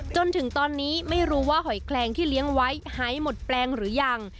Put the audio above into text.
จนถึงตอนนี้ไม่รู้ว่าหอยแคลงที่เลี้ยงไว้หายหมดแปลงหรือยัง